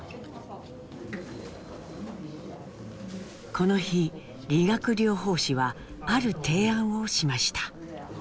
この日理学療法士はある提案をしました。